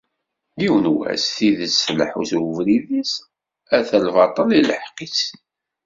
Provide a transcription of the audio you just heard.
Yiwen wass tidett tleḥḥu d webrid-is, ata lbaṭel iluḥeq-itt.